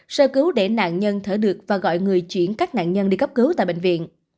sơ cứu để nạn nhân thở được và gọi người chuyển các nạn nhân đi cấp cứu tại bệnh viện